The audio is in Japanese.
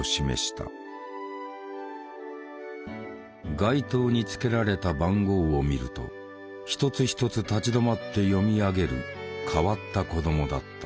街灯につけられた番号を見ると一つ一つ立ち止まって読み上げる変わった子供だった。